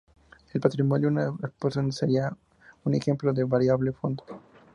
El patrimonio de una persona sería un ejemplo de variable fondo.